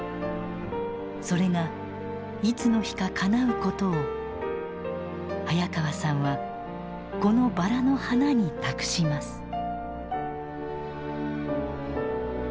それがいつの日かかなうことを早川さんはこのバラの花に託します。